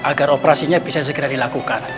agar operasinya bisa segera dilakukan